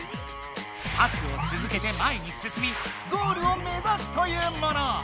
パスをつづけて前にすすみゴールを目ざすというもの！